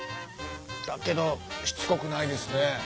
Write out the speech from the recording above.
だけどしつこくないですね。